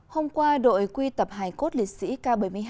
hôm qua đội quy tập hải cốt liệt sĩ k bảy mươi hai